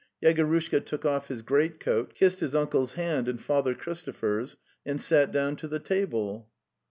"' Yegorushka took off his great coat, kissed his uncle's hand and Father Christopher's, and sat down to the table.